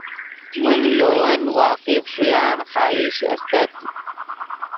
من لے ون واقف ݰویان خواہش استت